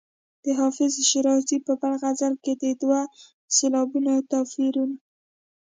د حافظ شیرازي په بل غزل کې د دوو سېلابونو توپیر.